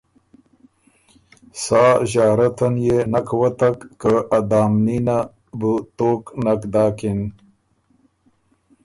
سا ݫارت ان يې بو نک وتک که ا دامني نه بو توک نک داکِن۔